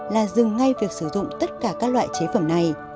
là dừng ngay việc sử dụng tất cả các loại chế phẩm này